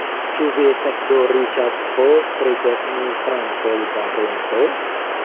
Ĉu vi estas do riĉa po tridek mil frankoj da rento?